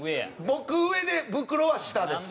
僕上でブクロは下です。